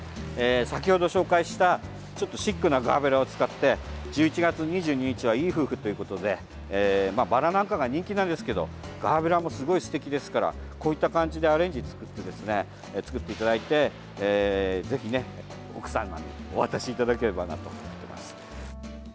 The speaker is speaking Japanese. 先ほど紹介したシックなガーベラを使って１１月２２日はいい夫婦ということでバラなんかが人気なんですけどガーベラもすごいすてきですからこういった感じでアレンジ作って作っていただいてぜひ奥様にお渡しいただければなと思います。